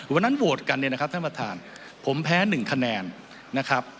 วันนั้นโหวตกันเนี่ยนะครับท่านประธานผมแพ้๑คะแนนนะครับ